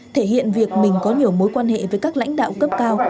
thể hiện việc mình có nhiều mối quan hệ với các lãnh đạo cấp cao